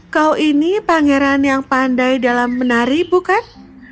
kau ini pangeran yang pandai dalam menari bukan